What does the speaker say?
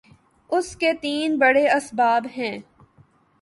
اس کے تین بڑے اسباب ہیں۔